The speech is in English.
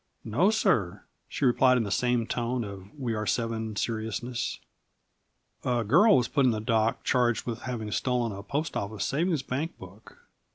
"No sir," she replied in the same tone of We are Seven seriousness. A girl was put in the dock, charged with having stolen a Post Office savings bank book.